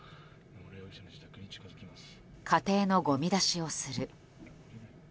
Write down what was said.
家庭のごみ出しをする。